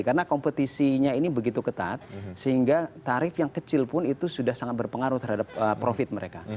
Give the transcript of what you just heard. karena kompetisinya ini begitu ketat sehingga tarif yang kecil pun itu sudah sangat berpengaruh terhadap profit mereka